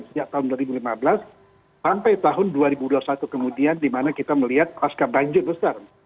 sejak tahun dua ribu lima belas sampai tahun dua ribu dua puluh satu kemudian di mana kita melihat pasca banjir besar